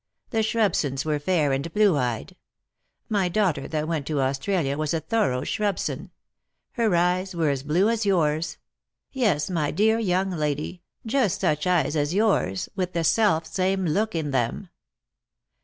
The Shrubsons were fair and blue eyed. My daughter that went to Australia was a thorough Shrubson ; her eyes were as blue as yours; yes, my dear young lady, just such eyes as yours, with the self same look in them."